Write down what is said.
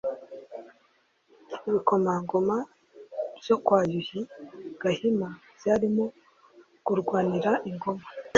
ibikomangoma byo kwa Yuhi Gahima byarimo kurwanira ingoma.